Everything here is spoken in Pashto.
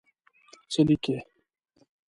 څه لیکې.